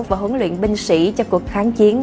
và huấn luyện binh sĩ cho cuộc kháng chiến